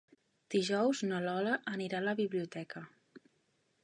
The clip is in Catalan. Dijous na Lola anirà a la biblioteca.